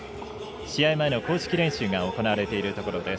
試合前の公式練習が行われているところです。